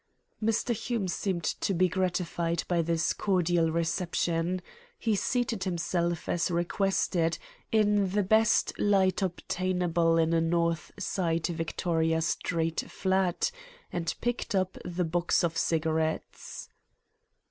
Mr. Hume seemed to be gratified by this cordial reception. He seated himself as requested, in the best light obtainable in a north side Victoria Street flat, and picked up the box of cigarettes.